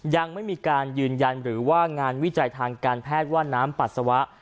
ยังไม่มีการยืนยันหรือว่างานวิจัยทางการแพทย์ว่าน้ำปัสสาวะ